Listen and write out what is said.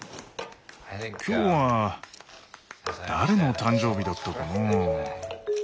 今日は誰の誕生日だったかな？